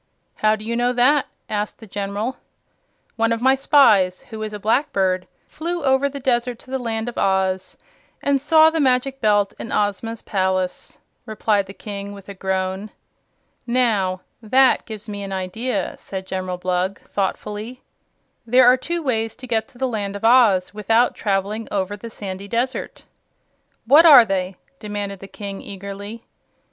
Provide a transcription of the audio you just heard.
"How do you know that?" asked the General. "One of my spies, who is a Blackbird, flew over the desert to the Land of Oz, and saw the Magic Belt in Ozma's palace," replied the King with a groan. "Now that gives me an idea," said General Blug, thoughtfully. "There are two ways to get to the Land of Oz without traveling across the sandy desert." "What are they?" demanded the King, eagerly.